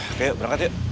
oke yuk berangkat yuk